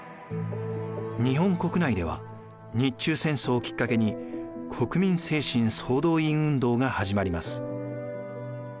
日本国内では日中戦争をきっかけに国民精神総動員運動が始まります。